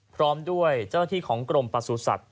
พร้อมด้วยเจ้าหน้าที่ของกลมปลาสูสัตว์